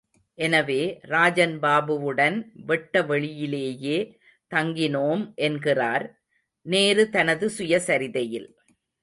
எனவே ராஜன்பாபுவுடன் வெட்ட வெளியிலேயே தங்கினோம் என்கிறார்.நேரு தனது கயசரிதையில்.